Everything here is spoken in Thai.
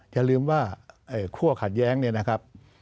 อย่าลืมว่าคั่วขัดแย้งเนี่ยนะครับ